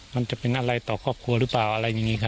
มันจะเป็นอะไรต่อครอบครัวหรือเปล่าอะไรอย่างนี้ครับ